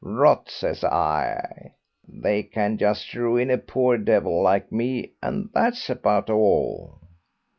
Rot, says I! They can just ruin a poor devil like me, and that's about all.